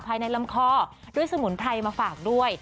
ลำคอด้วยสมุนไพรมาฝากด้วย